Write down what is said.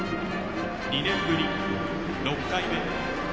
２年ぶり６回目。